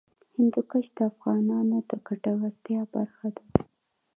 هندوکش د افغانانو د ګټورتیا برخه ده.